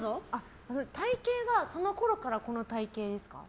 体形がそのころからこの体形ですか？